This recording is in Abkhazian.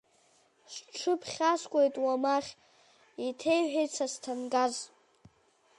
Сҽыԥхьаскуеит, Уамахь, еиҭеиҳәеит Сасҭангаз.